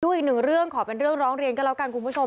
อีกหนึ่งเรื่องขอเป็นเรื่องร้องเรียนก็แล้วกันคุณผู้ชม